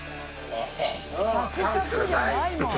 サクサクじゃないもん。